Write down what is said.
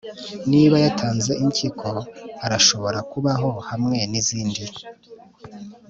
niba yatanze impyiko, arashobora kubaho hamwe nizindi